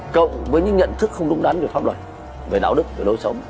cộng với những nhận thức không đúng đắn về pháp luật về đạo đức về đối xống